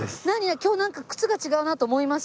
今日なんか靴が違うなと思いました。